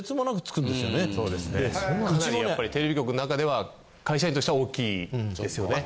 そうですねかなりやっぱりテレビ局の中では会社員としては大きいですよね。